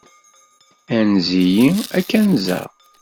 Anez-iyi, ad k-anzeɣ.